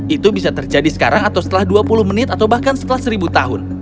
itu bisa terjadi sekarang atau setelah dua puluh menit atau bahkan setelah seribu tahun